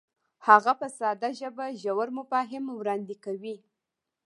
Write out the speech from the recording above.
هغه په ساده ژبه ژور مفاهیم وړاندې کوي.